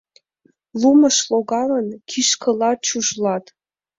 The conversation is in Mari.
Лумыш логалын, кишкыла чужлат.